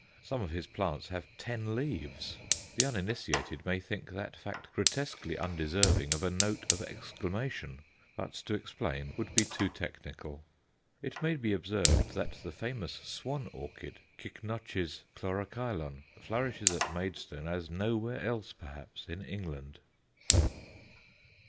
Some of his plants have ten leaves! the uninitiated may think that fact grotesquely undeserving of a note of exclamation, but to explain would be too technical. It may be observed that the famous Swan orchid, Cycnoches chlorochilon, flourishes at Maidstone as nowhere else perhaps in England.